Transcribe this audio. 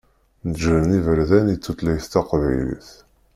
Neǧṛen iberdan i tutlayt taqbaylit.